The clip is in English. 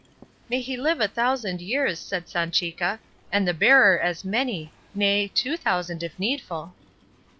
"May he live a thousand years," said Sanchica, "and the bearer as many, nay two thousand, if needful."